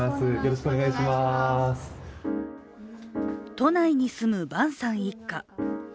都内に住む伴さん一家。